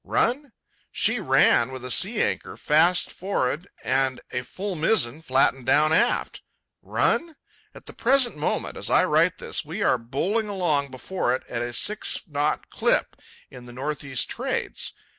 Run? She ran with a sea anchor fast for'ard and a full mizzen flattened down aft. Run? At the present moment, as I write this, we are bowling along before it, at a six knot clip, in the north east trades.